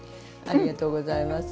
ありがとうございます。